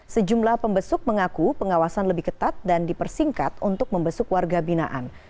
sejumlah pembesuk mengaku pengawasan lebih ketat dan dipersingkat untuk membesuk warga binaan